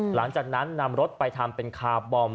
หลังจากนั้นนำรถไปทำเป็นคาร์บอม